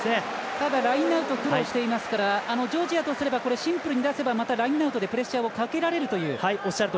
ただ、ラインアウト苦労していますからジョージアとすればまたラインアウトでプレッシャーをかけられるという。